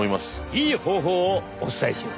いい方法をお伝えしよう。